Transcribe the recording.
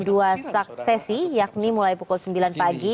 dua sesi yakni mulai pukul sembilan pagi